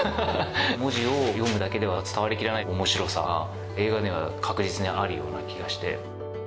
文字を読むだけでは伝わりきらない面白さが映画には確実にあるような気がして。